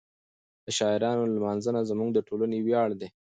د شاعرانو لمانځنه زموږ د ټولنې ویاړ دی.